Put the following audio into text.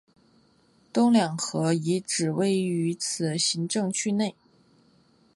东两河遗址位于此行政区内。